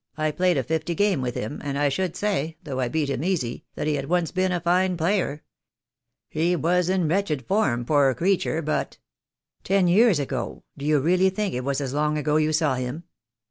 I played a fifty game with him, and I should say, though I beat him easy, that he had once been a fine player. He was in wretched form, poor creature, but " "Ten years ago, do you really think it was as long ago you saw him?"